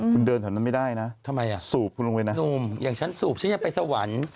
คุณเดินแถวนั้นไม่ได้นะทำไมอ่ะสูบคุณลงไปนะสูบอย่างฉันสูบฉันยังไปสวรรค์